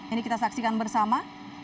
ini kita saksikan bersama